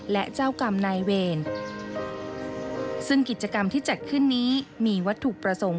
และเจ้ากรรมนายเวรซึ่งกิจกรรมที่จัดขึ้นนี้มีวัตถุประสงค์